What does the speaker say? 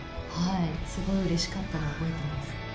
すごいうれしかったのを覚えてます。